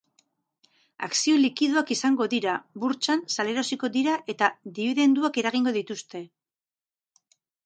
Akzio likidoak izango dira, burtsan salerosiko dira eta dibidenduak eragingo dituzte.